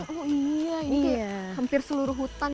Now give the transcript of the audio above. oh iya ini hampir seluruh hutan